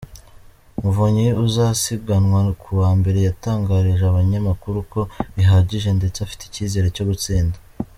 Muvunyi uzasiganwa kuwa mbere yatangarije abanyamakuru ko bihagije ndetse afite icyizere cyo gutsinda.